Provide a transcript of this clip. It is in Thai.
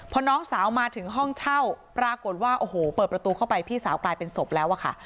พอน้องสาวมาถึงห้องเช่าปรากฏว่าโอ้โหเปิดประตูเข้าไปพี่สาวกลายเป็นศพแล้วอะค่ะ